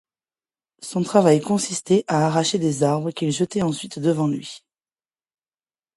Son travail consistait à arracher des arbres, qu'il jetait ensuite devant lui.